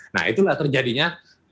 nah itulah terjadinya